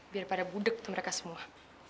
biar pada budek tuh mereka semua